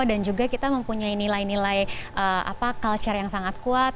dan juga kita mempunyai nilai nilai culture yang sangat kuat